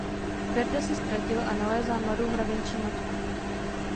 Ferda se ztratil a nalézá mladou mravenčí matku.